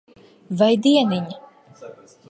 Vai dieniņ.